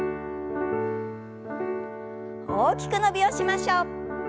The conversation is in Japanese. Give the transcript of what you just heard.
大きく伸びをしましょう。